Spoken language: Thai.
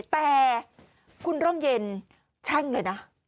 แต่คุณร่มเย็นแช่งเลยนะ